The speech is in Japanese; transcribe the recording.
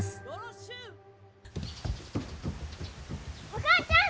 お母ちゃん！